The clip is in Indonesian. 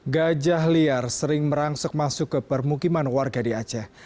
gajah liar sering merangsok masuk ke permukiman warga di aceh